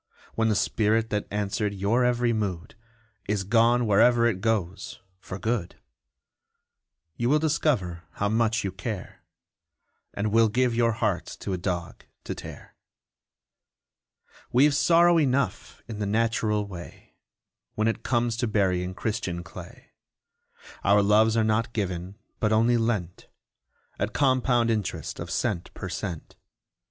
When the spirit that answered your every mood Is gone wherever it goes for good, You will discover how much you care, And will give your heart to a dog to tear! We've sorrow enough in the natural way, When it comes to burying Christian clay. Our loves are not given, but only lent, At compound interest of cent per cent.